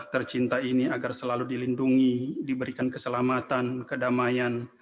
tercinta ini agar selalu dilindungi diberikan keselamatan kedamaian